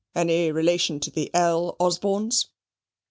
Any relation to the L Osbornes?"